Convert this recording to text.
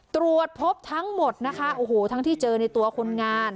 ตรวจพบทั้งหมดนะคะโอ้โหทั้งที่เจอในตัวคนงาน